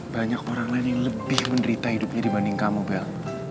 banyak orang lain yang lebih menderita hidupnya dibanding kamu bel